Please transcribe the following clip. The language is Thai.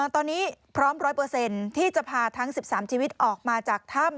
ตอนนี้พร้อม๑๐๐ที่จะพาทั้ง๑๓ชีวิตออกมาจากถ้ำ